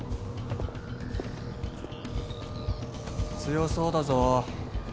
強そうだぞ。